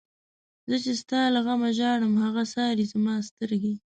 زه چی ستا له غمه ژاړم، هغه څاری زما سترگی